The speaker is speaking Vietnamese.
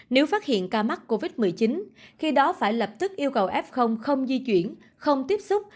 nếu phát hiện ca mắc covid một mươi chín khi đó phải lập tức yêu cầu f không di chuyển không tiếp xúc